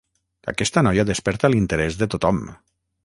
Aquesta noia desperta l'interès de tothom.